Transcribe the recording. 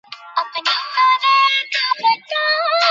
চত্বরটি প্রধানতঃ মস্কোর প্রধান বাণিজ্যকেন্দ্র হিসেবে প্রতিষ্ঠিত হয়েছিল।